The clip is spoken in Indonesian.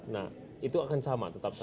nah itu akan sama tetap saja